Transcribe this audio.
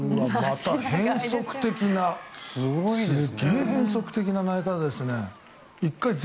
変則的なすげえ変則的な投げ方ですね。